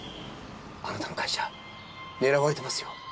あなたの会社狙われてますよ。